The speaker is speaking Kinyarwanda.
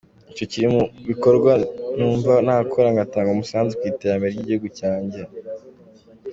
Icyo kiri mu bikorwa numva nakora ngatanga umusanzu ku iterambere ry’igihugu cyanjye.